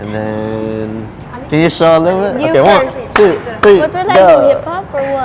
เพื่อแยกนะจริงมาก